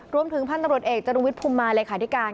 รวมถึงท่านตำรวจเอกจรุงวิทย์ภูมิมาเลยค่าที่การ